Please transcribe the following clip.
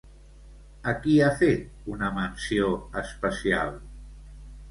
A qui ha fet una menció especial?